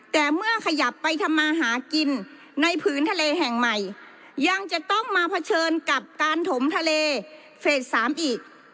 แต่เมื่อขยับไปทำมาหากินในผืนทะเลแห่งใหม่ยังจะต้องมาเผชิญกับการถมทะเลเฟส๓อีก